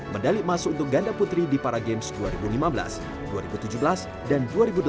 medali emas untuk ganda putri di para games dua ribu lima belas dua ribu tujuh belas dan dua ribu delapan belas